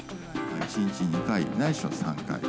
１日２回、ないしは３回。